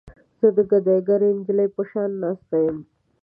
زه د ګداګرې نجلۍ په شان ناسته یم.